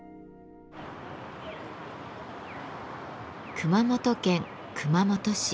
熊本県熊本市。